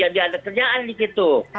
jadi ada kerjaan dikit tuh